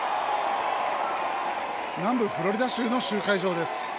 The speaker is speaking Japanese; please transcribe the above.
南部フロリダ州の集会場です。